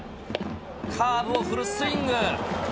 カーブをフルスイング。